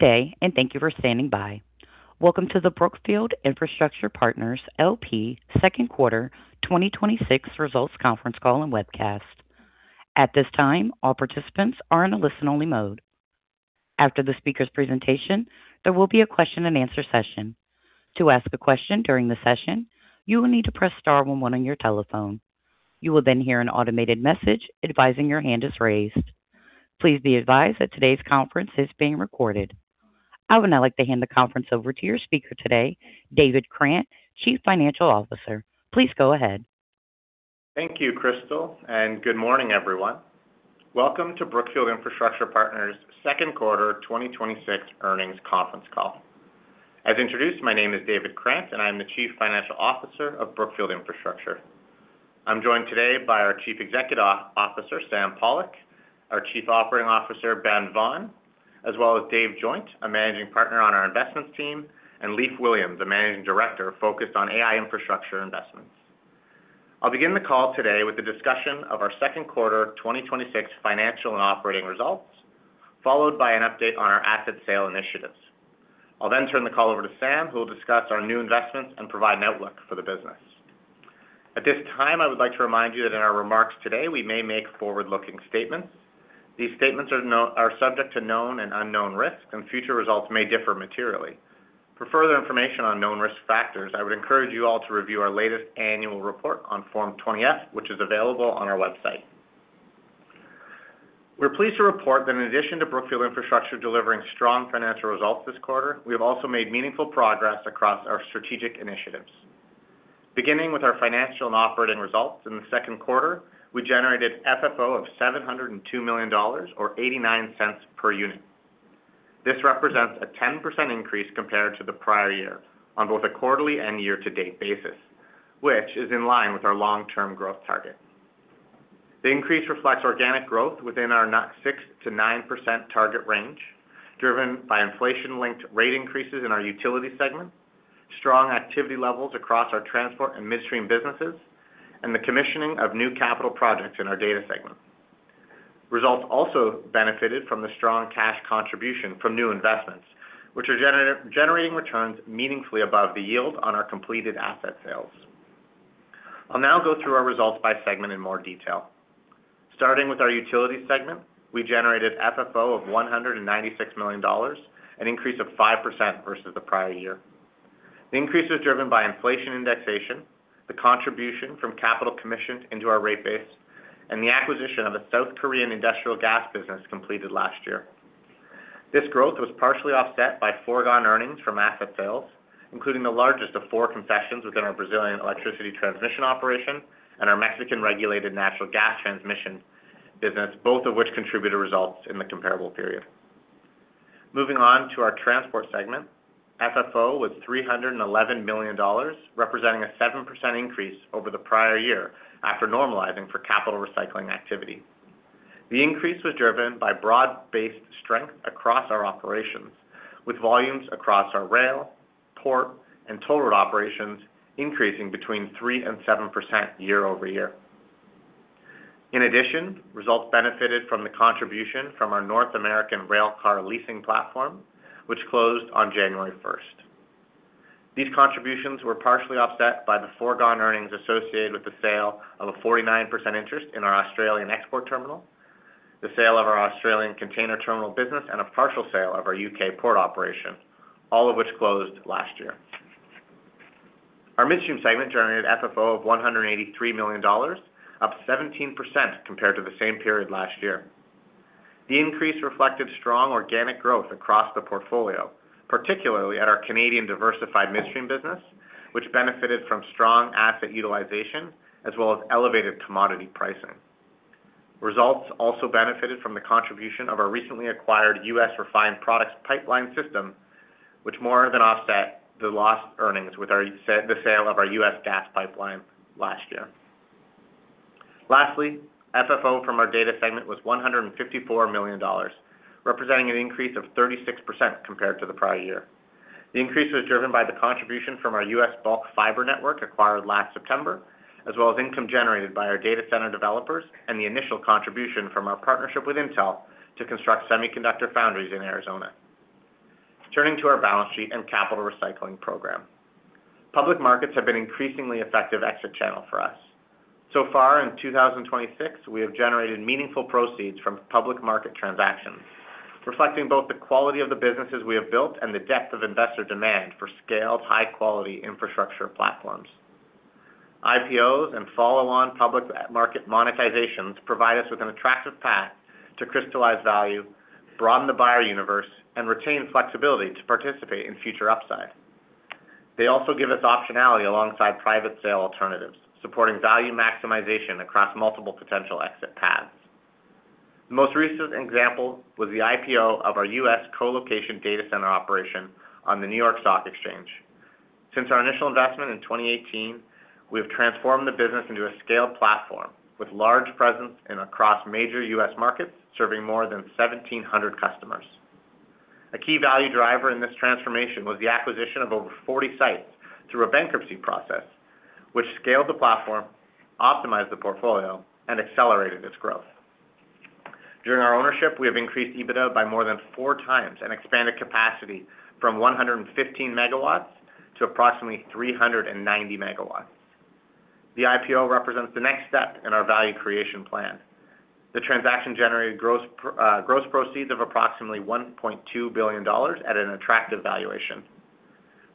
Good day, and thank you for standing by. Welcome to the Brookfield Infrastructure Partners LP Second Quarter 2026 Results Conference Call and Webcast. At this time, all participants are in a listen-only mode. After the speaker's presentation, there will be a question-and-answer session. To ask a question during the session, you will need to press star one one on your telephone. You will then hear an automated message advising your hand is raised. Please be advised that today's conference is being recorded. I would now like to hand the conference over to your speaker today, David Krant, Chief Financial Officer. Please go ahead. Thank you, Crystal, good morning, everyone. Welcome to Brookfield Infrastructure Partners Second Quarter 2026 Earnings Conference Call. As introduced, my name is David Krant, I'm the Chief Financial Officer of Brookfield Infrastructure. I'm joined today by our Chief Executive Officer, Sam Pollock, our Chief Operating Officer, Ben Vaughan, as well as Dave Joynt, a Managing Partner on our investments team, and Lief Williams, a Managing Director focused on AI infrastructure investments. I'll begin the call today with a discussion of our second quarter 2026 financial and operating results, followed by an update on our asset sale initiatives. I'll then turn the call over to Sam, who will discuss our new investments and provide an outlook for the business. At this time, I would like to remind you that in our remarks today, we may make forward-looking statements. These statements are subject to known and unknown risks, future results may differ materially. For further information on known risk factors, I would encourage you all to review our latest annual report on Form 20-F, which is available on our website. We're pleased to report that in addition to Brookfield Infrastructure delivering strong financial results this quarter, we have also made meaningful progress across our strategic initiatives. Beginning with our financial and operating results. In the second quarter, we generated FFO of $702 million, or $0.89 per unit. This represents a 10% increase compared to the prior year on both a quarterly and year-to-date basis, which is in line with our long-term growth target. The increase reflects organic growth within our six to 9% target range, driven by inflation-linked rate increases in our utility segment, strong activity levels across our transport and midstream businesses, and the commissioning of new capital projects in our data segment. Results also benefited from the strong cash contribution from new investments, which are generating returns meaningfully above the yield on our completed asset sales. I'll now go through our results by segment in more detail. Starting with our utility segment, we generated FFO of $196 million, an increase of 5% versus the prior year. The increase was driven by inflation indexation, the contribution from capital commissioned into our rate base, and the acquisition of a South Korean industrial gas business completed last year. This growth was partially offset by foregone earnings from asset sales, including the largest of four concessions within our Brazilian electricity transmission operation and our Mexican regulated natural gas transmission business, both of which contributed results in the comparable period. Moving on to our transport segment, FFO was $311 million, representing a 7% increase over the prior year after normalizing for capital recycling activity. The increase was driven by broad-based strength across our operations, with volumes across our rail, port, and toll road operations increasing between 3% and 7% year-over-year. In addition, results benefited from the contribution from our North American rail car leasing platform, which closed on January 1st. These contributions were partially offset by the foregone earnings associated with the sale of a 49% interest in our Australian export terminal, the sale of our Australian container terminal business, and a partial sale of our U.K. port operation, all of which closed last year. Our midstream segment generated FFO of $183 million, up 17% compared to the same period last year. The increase reflected strong organic growth across the portfolio, particularly at our Canadian diversified midstream business, which benefited from strong asset utilization as well as elevated commodity pricing. Results also benefited from the contribution of our recently acquired U.S. refined products pipeline system, which more than offset the lost earnings with the sale of our U.S. gas pipeline last year. Lastly, FFO from our data segment was $154 million, representing an increase of 36% compared to the prior year. The increase was driven by the contribution from our U.S. bulk fiber network acquired last September, as well as income generated by our data center developers and the initial contribution from our partnership with Intel to construct semiconductor foundries in Arizona. Turning to our balance sheet and capital recycling program. Public markets have been an increasingly effective exit channel for us. Far in 2026, we have generated meaningful proceeds from public market transactions, reflecting both the quality of the businesses we have built and the depth of investor demand for scaled, high-quality infrastructure platforms. IPOs and follow-on public market monetizations provide us with an attractive path to crystallize value, broaden the buyer universe, and retain flexibility to participate in future upside. They also give us optionality alongside private sale alternatives, supporting value maximization across multiple potential exit paths. The most recent example was the IPO of our U.S. colocation data center operation on the New York Stock Exchange. Since our initial investment in 2018, we have transformed the business into a scaled platform with large presence across major U.S. markets, serving more than 1,700 customers. A key value driver in this transformation was the acquisition of over 40 sites through a bankruptcy process Which scaled the platform, optimized the portfolio, and accelerated its growth. During our ownership, we have increased EBITDA by more than four times and expanded capacity from 115 MW to approximately 390 MW. The IPO represents the next step in our value creation plan. The transaction generated gross proceeds of approximately $1.2 billion at an attractive valuation.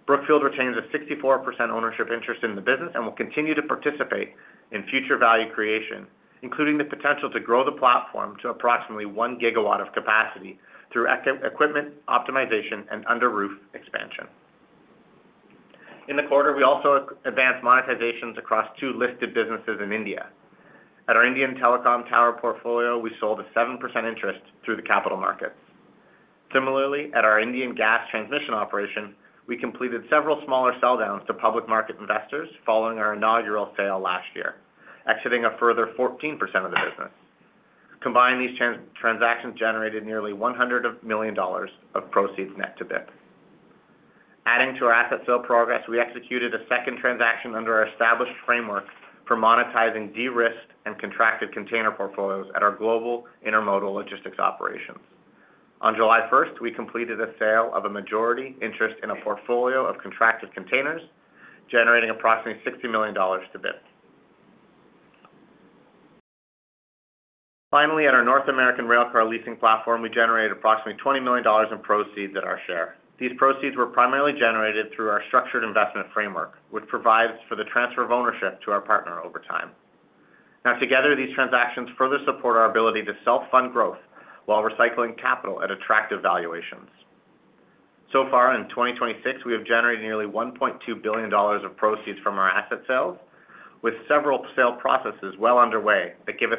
Brookfield retains a 64% ownership interest in the business and will continue to participate in future value creation, including the potential to grow the platform to approximately 1 GW of capacity through equipment optimization and under-roof expansion. In the quarter, we also advanced monetizations across two listed businesses in India. At our Indian telecom tower portfolio, we sold a 7% interest through the capital markets. Similarly, at our Indian gas transmission operation, we completed several smaller sell downs to public market investors following our inaugural sale last year, exiting a further 14% of the business. Combined, these transactions generated nearly $100 million of proceeds net to BIP. Adding to our asset sale progress, we executed a second transaction under our established framework for monetizing de-risked and contracted container portfolios at our global intermodal logistics operations. On July 1st, we completed a sale of a majority interest in a portfolio of contracted containers, generating approximately $60 million to BIP. Finally, at our North American railcar leasing platform, we generated approximately $20 million in proceeds at our share. These proceeds were primarily generated through our structured investment framework, which provides for the transfer of ownership to our partner over time. Together, these transactions further support our ability to self-fund growth while recycling capital at attractive valuations. So far in 2026, we have generated nearly $1.2 billion of proceeds from our asset sales, with several sale processes well underway that give us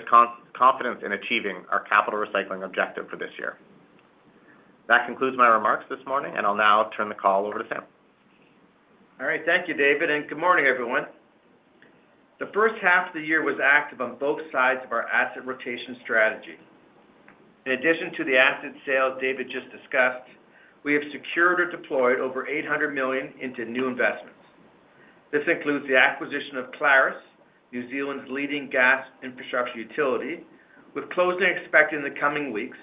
confidence in achieving our capital recycling objective for this year. That concludes my remarks this morning, and I will now turn the call over to Sam. Thank you, David, and good morning, everyone. The first half of the year was active on both sides of our asset rotation strategy. In addition to the asset sales David just discussed, we have secured or deployed over $800 million into new investments. This includes the acquisition of Clarus, New Zealand's leading gas infrastructure utility, with closing expected in the coming weeks,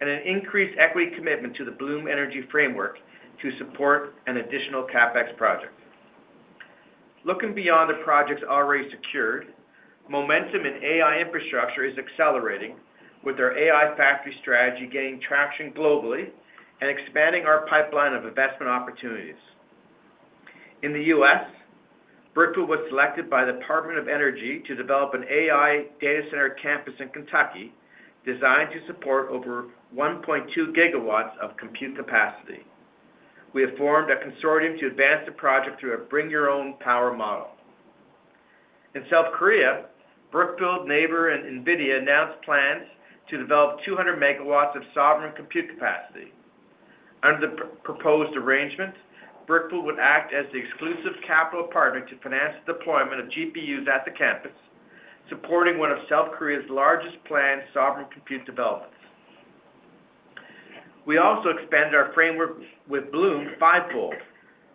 and an increased equity commitment to the Bloom Energy framework to support an additional CapEx project. Looking beyond the projects already secured, momentum in AI infrastructure is accelerating, with our AI factory strategy gaining traction globally and expanding our pipeline of investment opportunities. In the U.S., Brookfield was selected by the Department of Energy to develop an AI data center campus in Kentucky designed to support over 1.2 GW of compute capacity. We have formed a consortium to advance the project through a bring-your-own power model. In South Korea, Brookfield, NAVER, and NVIDIA announced plans to develop 200 MW of sovereign compute capacity. Under the proposed arrangement, Brookfield would act as the exclusive capital partner to finance the deployment of GPUs at the campus, supporting one of South Korea's largest planned sovereign compute developments. We also expanded our framework with Bloom fivefold,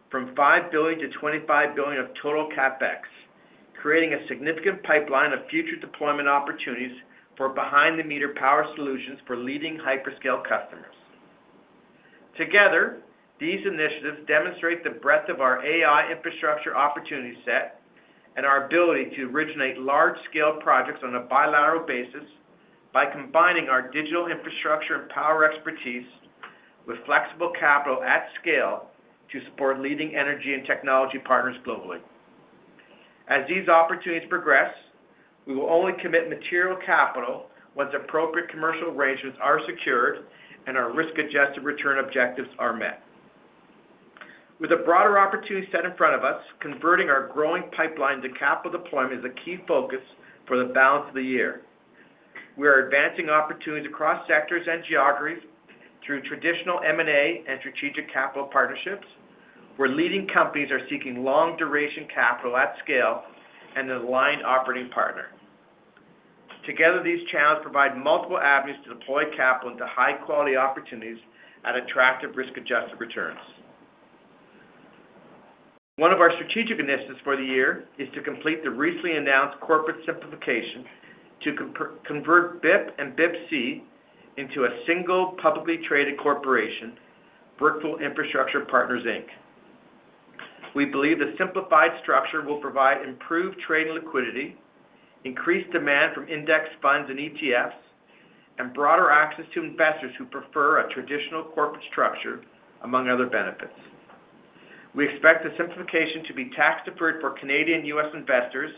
from $5 billion to $25 billion of total CapEx, creating a significant pipeline of future deployment opportunities for behind-the-meter power solutions for leading hyperscale customers. Together, these initiatives demonstrate the breadth of our AI infrastructure opportunity set and our ability to originate large-scale projects on a bilateral basis by combining our digital infrastructure and power expertise with flexible capital at scale to support leading energy and technology partners globally. As these opportunities progress, we will only commit material capital once appropriate commercial arrangements are secured and our risk-adjusted return objectives are met. With a broader opportunity set in front of us, converting our growing pipeline to capital deployment is a key focus for the balance of the year. We are advancing opportunities across sectors and geographies through traditional M&A and strategic capital partnerships where leading companies are seeking long-duration capital at scale and an aligned operating partner. Together, these channels provide multiple avenues to deploy capital into high-quality opportunities at attractive risk-adjusted returns. One of our strategic initiatives for the year is to complete the recently announced corporate simplification to convert BIP and BIPC into a single publicly traded corporation, Brookfield Infrastructure Partners, Inc. We believe the simplified structure will provide improved trade liquidity, increased demand from index funds and ETFs, and broader access to investors who prefer a traditional corporate structure, among other benefits. We expect the simplification to be tax-deferred for Canadian U.S. investors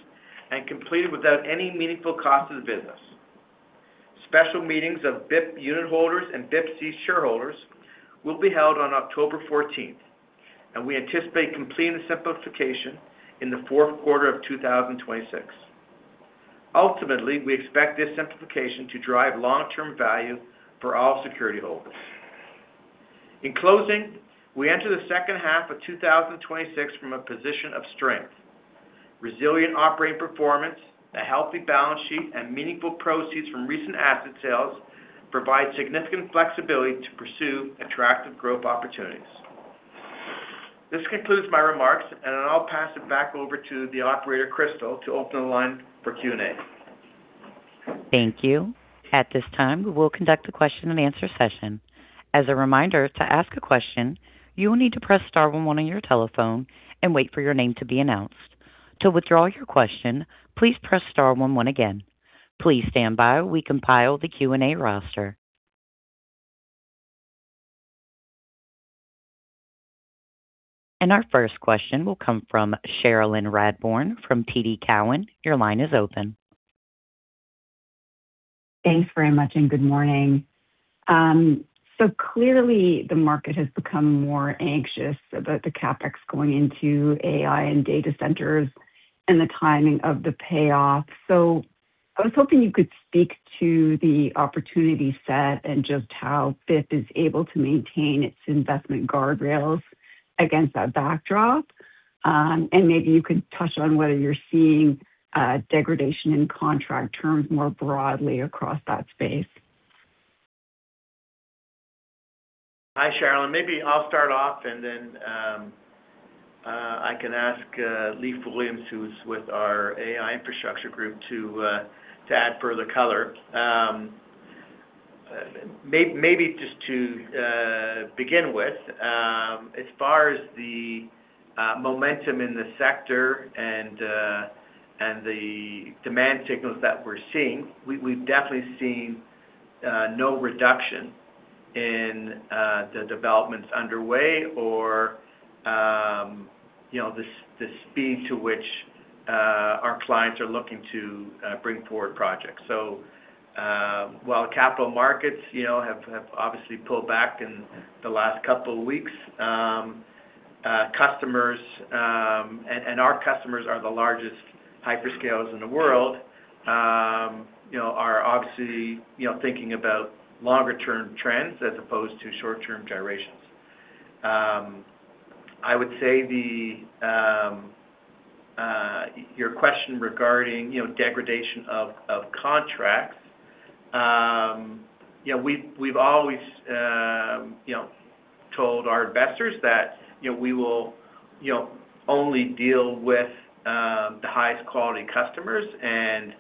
and completed without any meaningful cost to the business. Special meetings of BIP unitholders and BIPC shareholders will be held on October 14th, and we anticipate completing the simplification in the fourth quarter of 2026. Ultimately, we expect this simplification to drive long-term value for all security holders. In closing, we enter the second half of 2026 from a position of strength. Resilient operating performance, a healthy balance sheet, and meaningful proceeds from recent asset sales provide significant flexibility to pursue attractive growth opportunities. This concludes my remarks, and then I'll pass it back over to the operator, Crystal, to open the line for Q&A. Thank you. At this time, we will conduct a question-and-answer session. As a reminder, to ask a question, you will need to press star one one on your telephone and wait for your name to be announced. To withdraw your question, please press star one one again. Please stand by, we compile the Q&A roster. Our first question will come from Cherilyn Radbourne from TD Cowen. Your line is open. Thanks very much, and good morning. Clearly, the market has become more anxious about the CapEx going into AI and data centers and the timing of the payoff. I was hoping you could speak to the opportunity set and just how BIP is able to maintain its investment guardrails against that backdrop. Maybe you could touch on whether you're seeing a degradation in contract terms more broadly across that space. Hi, Cherilyn. Maybe I'll start off, and then I can ask Lief Williams, who's with our AI infrastructure group, to add further color. Maybe just to begin with, as far as the momentum in the sector and the demand signals that we're seeing, we've definitely seen no reduction in the developments underway or the speed to which our clients are looking to bring forward projects. While capital markets have obviously pulled back in the last couple of weeks, customers, and our customers are the largest hyperscales in the world, are obviously thinking about longer term trends as opposed to short-term gyrations. I would say your question regarding degradation of contracts, we've always told our investors that we will only deal with the highest quality customers and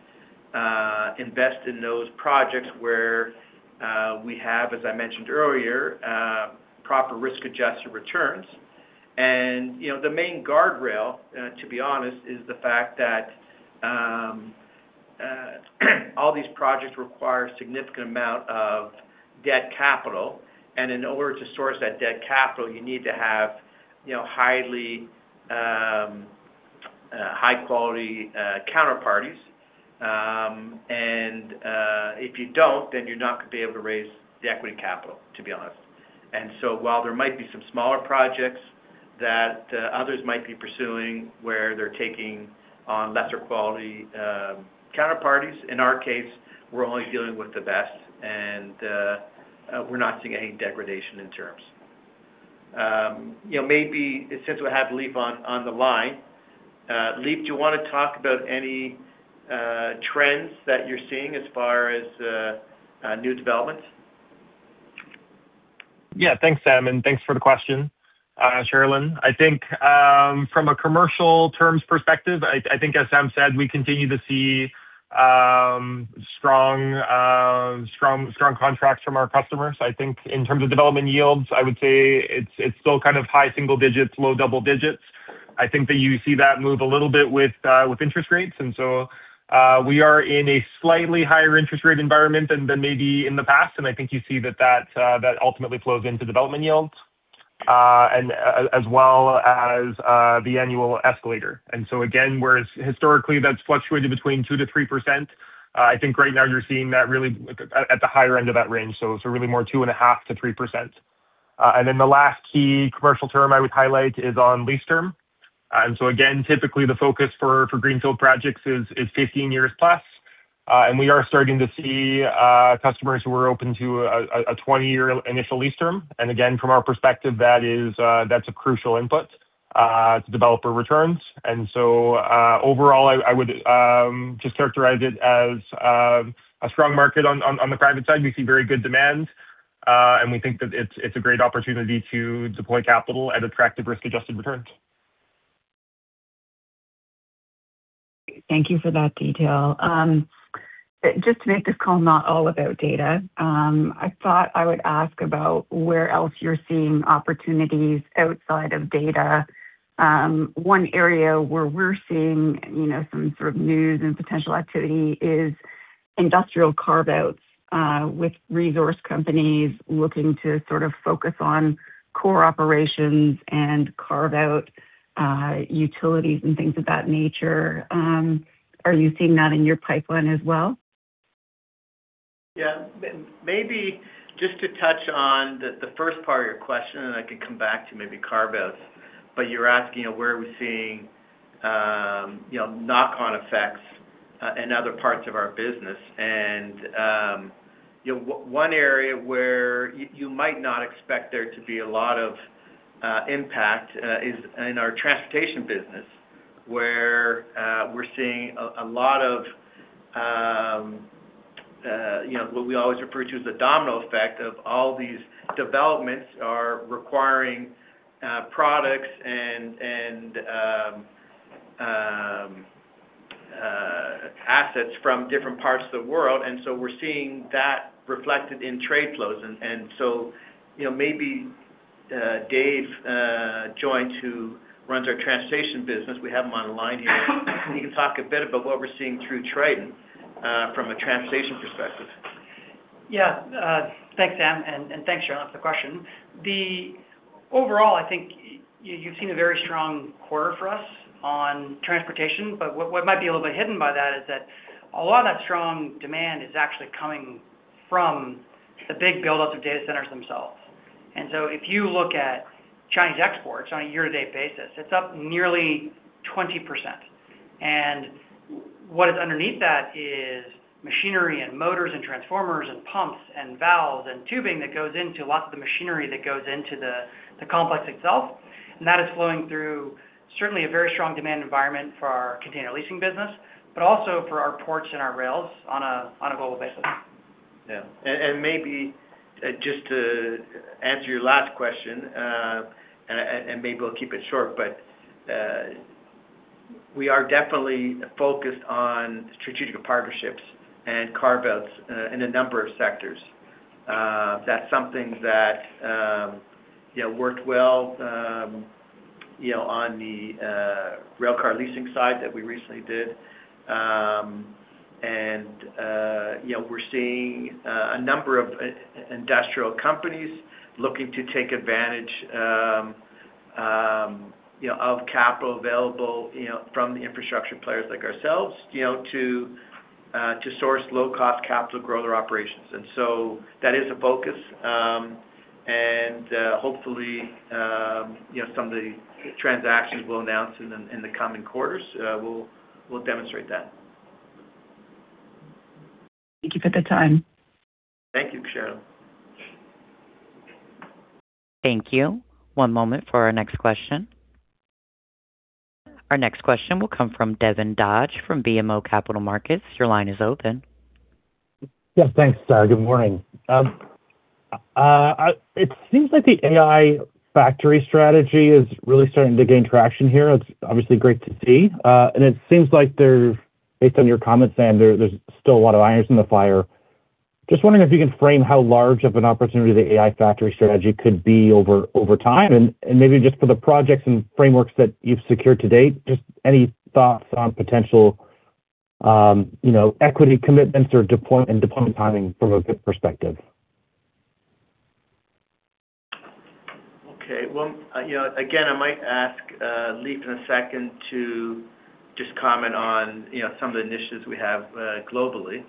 invest in those projects where we have, as I mentioned earlier, proper risk-adjusted returns. The main guardrail, to be honest, is the fact that all these projects require a significant amount of debt capital. In order to source that debt capital, you need to have high quality counterparties. If you don't, then you're not going to be able to raise the equity capital, to be honest. While there might be some smaller projects that others might be pursuing, where they're taking on lesser quality counterparties, in our case, we're only dealing with the best, and we're not seeing any degradation in terms. Maybe since we have Lief on the line, Lief, do you want to talk about any trends that you're seeing as far as new developments? Thanks, Sam, and thanks for the question, Cherilyn. I think from a commercial terms perspective, I think as Sam said, we continue to see strong contracts from our customers. I think in terms of development yields, I would say it's still kind of high single digits, low double digits. I think that you see that move a little bit with interest rates. We are in a slightly higher interest rate environment than maybe in the past. I think you see that ultimately flows into development yields as well as the annual escalator. Again, whereas historically that's fluctuated between 2%-3%, I think right now you're seeing that really at the higher end of that range. So really more 2.5%-3%. The last key commercial term I would highlight is on lease term. Again, typically the focus for greenfield projects is 15 years plus. We are starting to see customers who are open to a 20-year initial lease term. Again, from our perspective, that's a crucial input to developer returns. Overall I would just characterize it as a strong market on the private side. We see very good demand, and we think that it's a great opportunity to deploy capital at attractive risk-adjusted returns. Thank you for that detail. Just to make this call not all about data, I thought I would ask about where else you're seeing opportunities outside of data. One area where we're seeing some sort of news and potential activity is industrial carve-outs with resource companies looking to sort of focus on core operations and carve out utilities and things of that nature. Are you seeing that in your pipeline as well? Yeah. Maybe just to touch on the first part of your question, I can come back to maybe carve-outs. You're asking where are we seeing knock-on effects in other parts of our business. One area where you might not expect there to be a lot of impact is in our transportation business, where we're seeing a lot of what we always refer to as the domino effect of all these developments are requiring products and assets from different parts of the world. We're seeing that reflected in trade flows. Maybe Dave Joynt, who runs our transportation business. We have him on the line here. He can talk a bit about what we're seeing through Triton from a transportation perspective. Yeah. Thanks, Sam, and thanks, Cheryl, for the question. Overall, I think you've seen a very strong quarter for us on transportation, what might be a little bit hidden by that is that a lot of that strong demand is actually coming from the big build out of data centers themselves. If you look at Chinese exports on a year-to-date basis, it's up nearly 20%. What is underneath that is machinery and motors and transformers and pumps and valves and tubing that goes into lots of the machinery that goes into the complex itself. That is flowing through certainly a very strong demand environment for our container leasing business, but also for our ports and our rails on a global basis. Yeah. Maybe just to answer your last question, maybe we'll keep it short, we are definitely focused on strategic partnerships and carve-outs in a number of sectors. That's something that worked well on the railcar leasing side that we recently did. We're seeing a number of industrial companies looking to take advantage of capital available from the infrastructure players like ourselves to source low-cost capital to grow their operations. That is a focus. Hopefully some of the transactions we'll announce in the coming quarters will demonstrate that. Thank you for the time. Thank you, Cheryl. Thank you. One moment for our next question. Our next question will come from Devin Dodge from BMO Capital Markets. Your line is open. Yeah, thanks. Good morning. It seems like the AI factory strategy is really starting to gain traction here. It's obviously great to see. It seems like based on your comments, Sam, there's still a lot of irons in the fire. Just wondering if you can frame how large of an opportunity the AI factory strategy could be over time and maybe just for the projects and frameworks that you've secured to date, just any thoughts on potential equity commitments or deployment timing from a good perspective? Okay. Well, again, I might ask Lief in a second to just comment on some of the initiatives we have globally.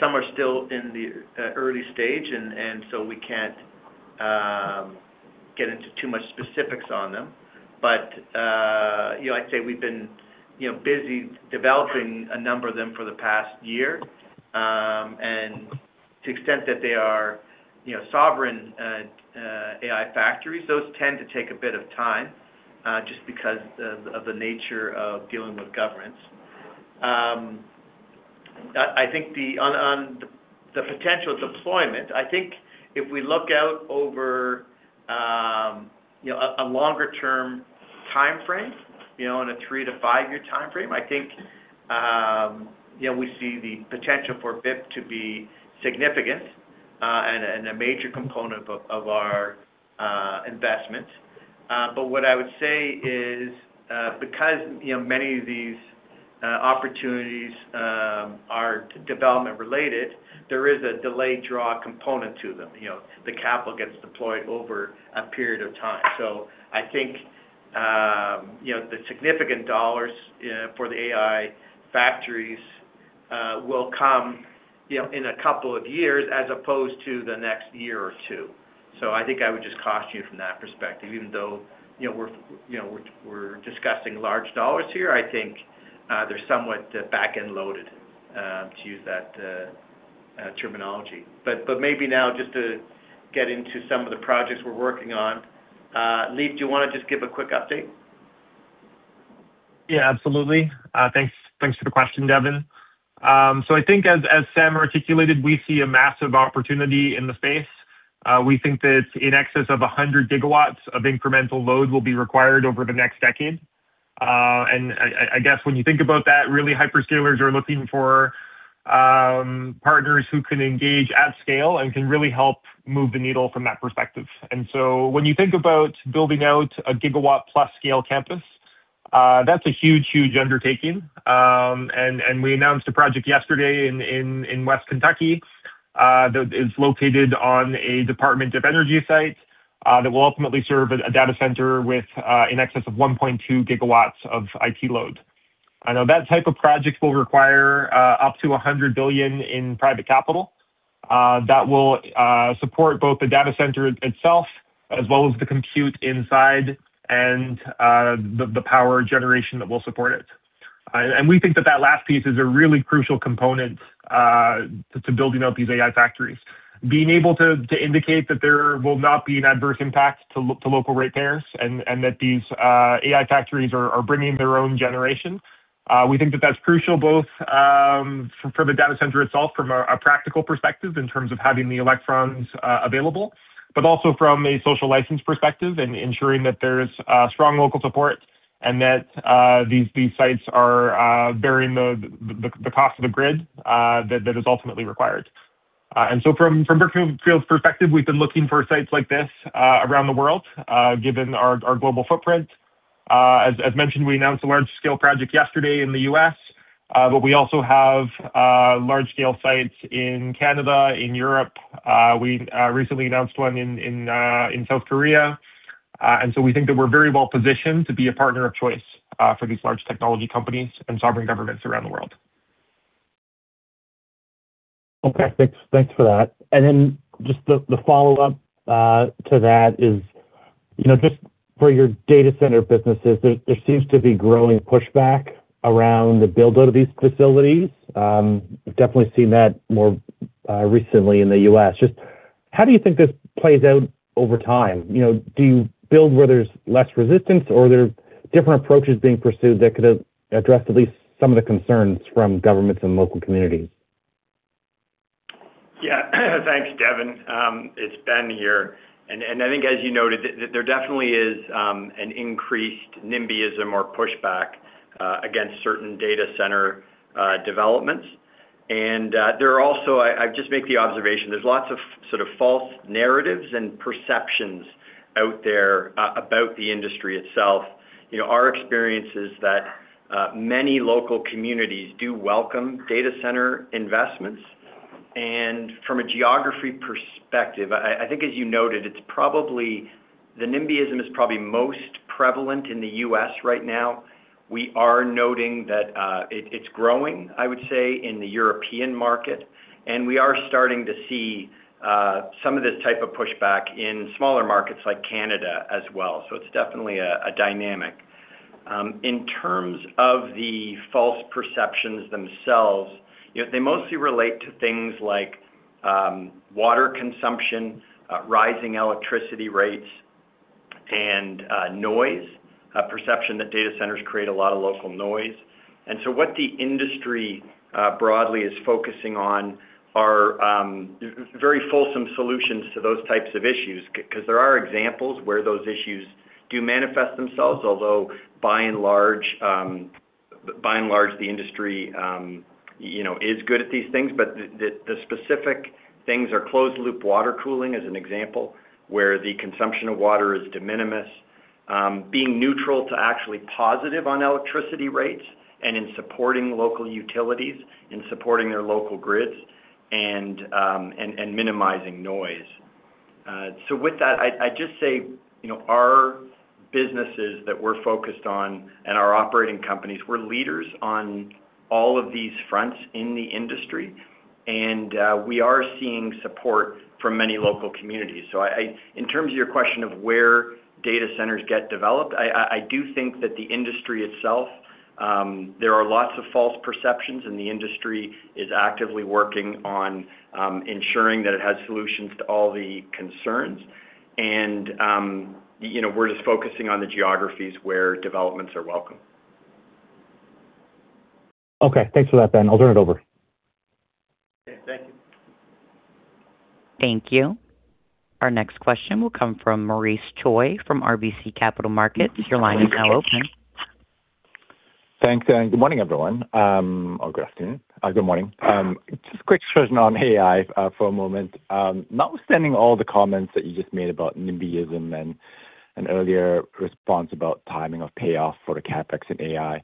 Some are still in the early stage, we can't get into too much specifics on them. I'd say we've been busy developing a number of them for the past year. To the extent that they are sovereign AI factories, those tend to take a bit of time, just because of the nature of dealing with governments. On the potential deployment, I think if we look out over a longer term timeframe, on a three to five year timeframe, I think we see the potential for BIP to be significant and a major component of our investments. What I would say is, because many of these opportunities are development related, there is a delayed draw component to them. The capital gets deployed over a period of time. I think the significant dollars for the AI factories will come in a couple of years as opposed to the next year or two. I think I would just caution you from that perspective, even though we're discussing large dollars here, I think they're somewhat back-end loaded, to use that terminology. Maybe now just to get into some of the projects we're working on. Lief, do you want to just give a quick update? Absolutely. Thanks for the question, Devin. I think as Sam articulated, we see a massive opportunity in the space. We think that in excess of 100 GW of incremental load will be required over the next decade. I guess when you think about that, really hyperscalers are looking for partners who can engage at scale and can really help move the needle from that perspective. When you think about building out a gigawatt-plus scale campus, that's a huge, huge undertaking. We announced a project yesterday in West Kentucky, that is located on a Department of Energy site, that will ultimately serve a data center with in excess of 1.2 GW of IT load. I know that type of project will require up to $100 billion in private capital. That will support both the data center itself as well as the compute inside and the power generation that will support it. We think that that last piece is a really crucial component to building out these AI factories. Being able to indicate that there will not be an adverse impact to local ratepayers and that these AI factories are bringing their own generation. We think that that's crucial both for the data center itself from a practical perspective in terms of having the electrons available, but also from a social license perspective and ensuring that there's strong local support and that these sites are bearing the cost of the grid that is ultimately required. From Brookfield's perspective, we've been looking for sites like this around the world, given our global footprint. As mentioned, we announced a large-scale project yesterday in the U.S., but we also have large-scale sites in Canada, in Europe. We recently announced one in South Korea. We think that we're very well-positioned to be a partner of choice for these large technology companies and sovereign governments around the world. Okay. Thanks for that. Just the follow-up to that is, just for your data center businesses, there seems to be growing pushback around the build out of these facilities. Definitely seen that more recently in the U.S. Just how do you think this plays out over time? Do you build where there's less resistance or are there different approaches being pursued that could address at least some of the concerns from governments and local communities? Yeah. Thanks, Devin. It's Ben here. As you noted, there definitely is an increased NIMBYism or pushback against certain data center developments. There are also I just make the observation, there's lots of sort of false narratives and perceptions out there about the industry itself. Our experience is that many local communities do welcome data center investments. From a geography perspective, I think as you noted, the NIMBYism is probably most prevalent in the U.S. right now. We are noting that it's growing, I would say, in the European market, and we are starting to see some of this type of pushback in smaller markets like Canada as well. It's definitely a dynamic. In terms of the false perceptions themselves, they mostly relate to things like water consumption, rising electricity rates, and noise. A perception that data centers create a lot of local noise. What the industry broadly is focusing on are very fulsome solutions to those types of issues, because there are examples where those issues do manifest themselves. Although by and large, the industry is good at these things. The specific things are closed loop water cooling, as an example, where the consumption of water is de minimis. Being neutral to actually positive on electricity rates and in supporting local utilities, in supporting their local grids and minimizing noise. With that, I just say, our businesses that we're focused on and our operating companies, we're leaders on all of these fronts in the industry, and we are seeing support from many local communities. In terms of your question of where data centers get developed, I do think that the industry itself, there are lots of false perceptions, and the industry is actively working on ensuring that it has solutions to all the concerns. We're just focusing on the geographies where developments are welcome. Okay. Thanks for that, Ben. I'll turn it over. Okay. Thank you. Thank you. Our next question will come from Maurice Choy from RBC Capital Markets. Your line is now open. Thanks, good morning, everyone. Or good afternoon. Good morning. Just a quick question on AI for a moment. Notwithstanding all the comments that you just made about NIMBYism and an earlier response about timing of payoff for the CapEx in AI,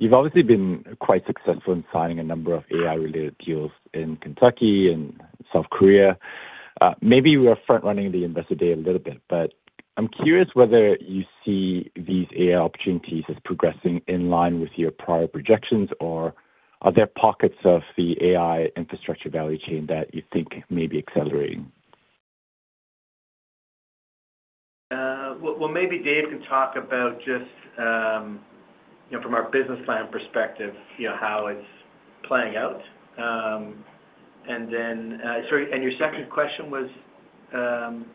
you've obviously been quite successful in signing a number of AI-related deals in Kentucky and South Korea. Maybe we are front-running the Investor Day a little bit, but I'm curious whether you see these AI opportunities as progressing in line with your prior projections, or are there pockets of the AI infrastructure value chain that you think may be accelerating? Well, maybe Dave can talk about just from our business plan perspective, how it's playing out. Then, sorry, and your second question was? Can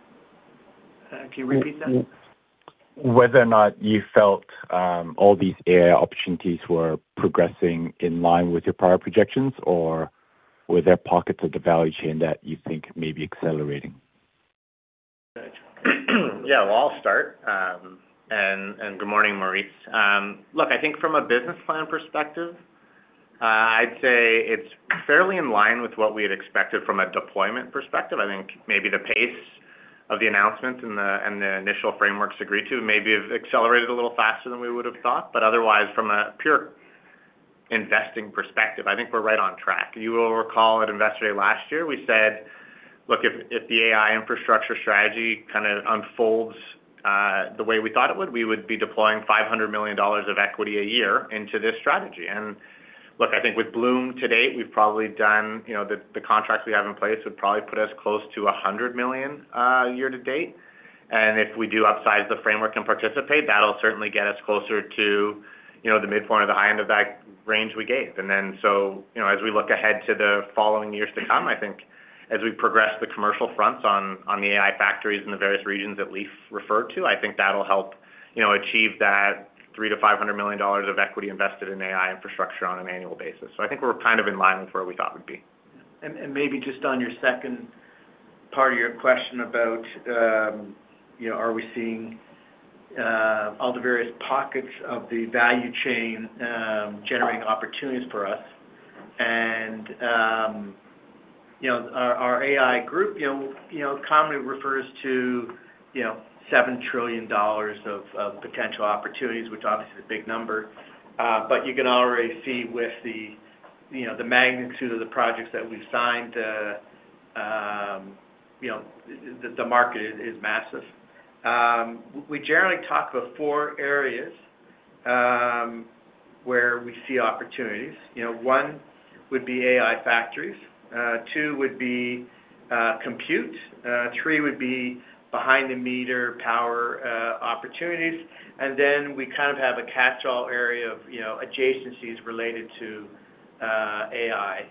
you repeat that? Whether or not you felt all these AI opportunities were progressing in line with your prior projections, or were there pockets of the value chain that you think may be accelerating? Gotcha. Yeah, well, I'll start. Good morning, Maurice. Look, I think from a business plan perspective, I'd say it's fairly in line with what we had expected from a deployment perspective. I think maybe the pace of the announcements and the initial frameworks agreed to maybe have accelerated a little faster than we would have thought. Otherwise, from a pure investing perspective, I think we're right on track. You will recall at Investor Day last year, we said, look, if the AI infrastructure strategy kind of unfolds the way we thought it would, we would be deploying $500 million of equity a year into this strategy. Look, I think with Bloom to date, we've probably done, the contracts we have in place would probably put us close to $100 million year-to-date. If we do upsize the framework and participate, that'll certainly get us closer to the midpoint of the high end of that range we gave. As we look ahead to the following years to come, I think as we progress the commercial fronts on the AI factories in the various regions that Lief referred to, I think that'll help achieve that $300 million to $500 million of equity invested in AI infrastructure on an annual basis. I think we're kind of in line with where we thought we'd be. Maybe just on your second part of your question about are we seeing all the various pockets of the value chain generating opportunities for us. Our AI group commonly refers to $7 trillion of potential opportunities, which obviously is a big number. You can already see with the magnitude of the projects that we've signed that the market is massive. We generally talk about four areas where we see opportunities. One would be AI factories, two would be compute, three would be behind-the-meter power opportunities, and then we have a catchall area of adjacencies related to AI.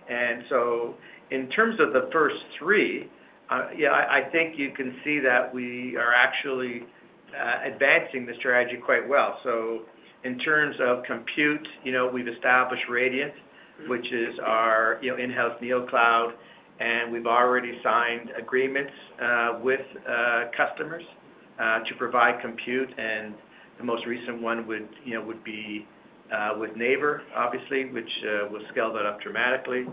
In terms of the first three, I think you can see that we are actually advancing the strategy quite well. In terms of compute, we've established Radient, which is our in-house neocloud, and we've already signed agreements with customers to provide compute, and the most recent one would be with NAVER, obviously, which will scale that up dramatically.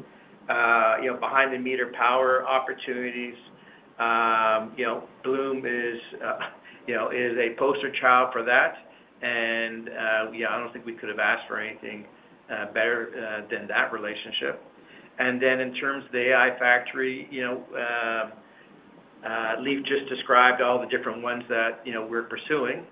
Behind-the-meter power opportunities, Bloom is a poster child for that, and I don't think we could have asked for anything better than that relationship. In terms of the AI factory, Lief just described all the different ones that we're pursuing.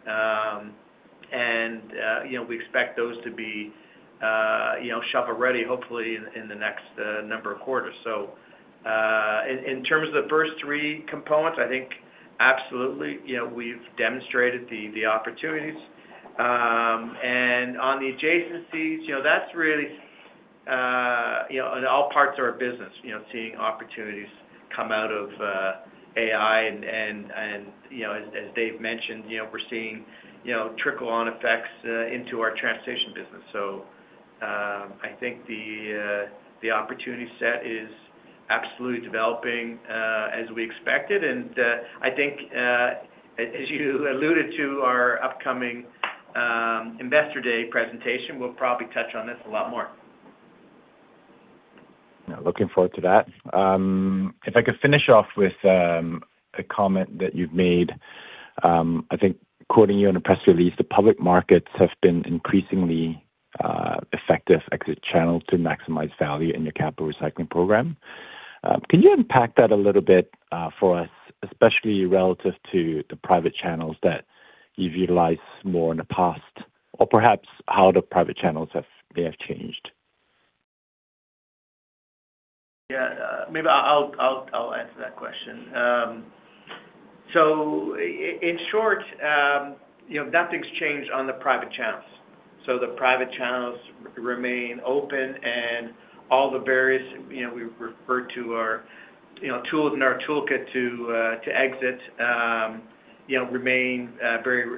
We expect those to be shelf-ready, hopefully, in the next number of quarters. In terms of the first three components, I think absolutely, we've demonstrated the opportunities. On the adjacencies, that's really in all parts of our business, seeing opportunities come out of AI and as Dave mentioned, we're seeing trickle on effects into our transportation business. I think the opportunity set is absolutely developing as we expected, and I think as you alluded to our upcoming Investor Day presentation, we'll probably touch on this a lot more. Yeah, looking forward to that. If I could finish off with a comment that you've made, I think quoting you on a press release, "The public markets have been increasingly effective exit channels to maximize value in your capital recycling program." Can you unpack that a little bit for us, especially relative to the private channels that you've utilized more in the past, or perhaps how the private channels may have changed? Yeah. Maybe I'll answer that question. In short, nothing's changed on the private channels. The private channels remain open and all the various, we refer to our tools in our toolkit to exit, remain very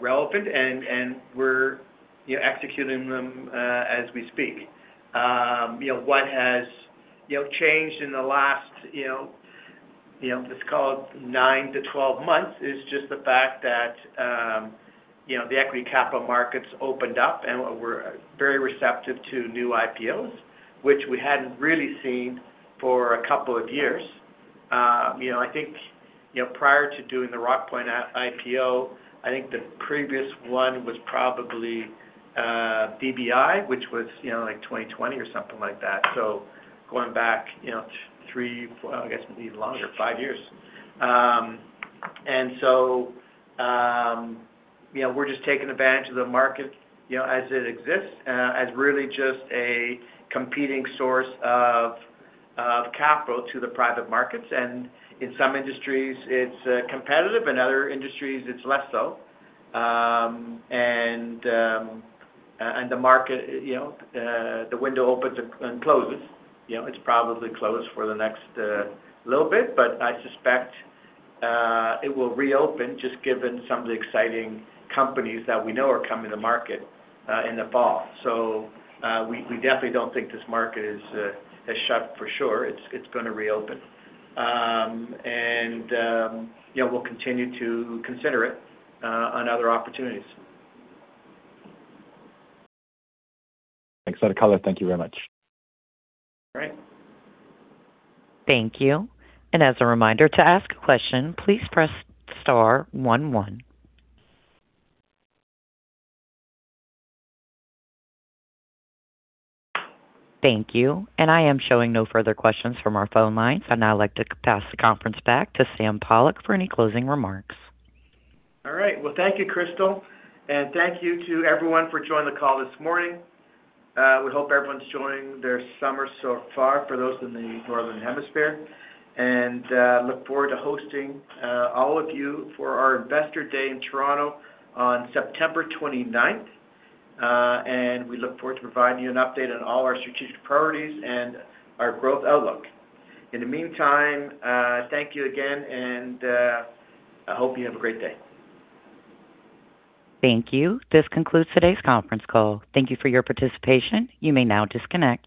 relevant and we're executing them as we speak. What has changed in the last, let's call it nine to 12 months, is just the fact that the equity capital markets opened up and were very receptive to new IPOs, which we hadn't really seen for a couple of years. I think, prior to doing the Rockpoint IPO, I think the previous one was probably BBI, which was like 2020 or something like that. Going back three, I guess maybe longer, five years. We're just taking advantage of the market as it exists as really just a competing source of capital to the private markets. In some industries, it's competitive, in other industries, it's less so. The window opens and closes. It's probably closed for the next little bit, but I suspect it will reopen just given some of the exciting companies that we know are coming to market in the fall. We definitely don't think this market has shut for sure. It's going to reopen. We'll continue to consider it on other opportunities. Thanks for the color. Thank you very much. All right. Thank you. As a reminder, to ask a question, please press star one one. Thank you. I am showing no further questions from our phone lines. I'd now like to pass the conference back to Sam Pollock for any closing remarks. All right. Well, thank you, Crystal. Thank you to everyone for joining the call this morning. We hope everyone's enjoying their summer so far, for those in the Northern Hemisphere. Look forward to hosting all of you for our Investor Day in Toronto on September 29th. We look forward to providing you an update on all our strategic priorities and our growth outlook. In the meantime, thank you again, and I hope you have a great day. Thank you. This concludes today's conference call. Thank you for your participation. You may now disconnect.